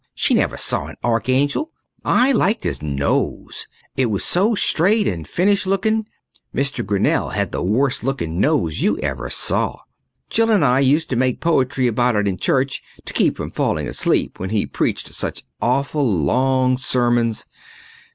She never saw an archangel. I liked his nose. It was so straight and finished looking. Mr. Grinnell had the worst looking nose you ever saw. Jill and I used to make poetry about it in church to keep from falling asleep when he preached such awful long sermons.